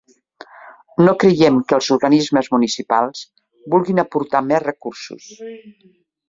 No creiem que els organismes municipals vulguin aportar més recursos.